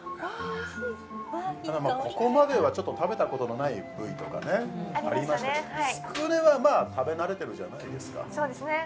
いい香りただここまではちょっと食べたことのない部位とかねありましたけどつくねはまあ食べ慣れてるじゃないですかそうですね